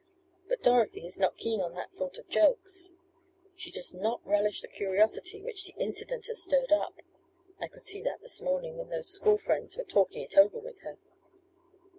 But Dorothy is not keen on that sort of jokes. She does not relish the curiosity which the incident has stirred up. I could see that this morning, when those school friends were talking it over with her."